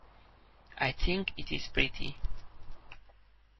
I think it is pretty.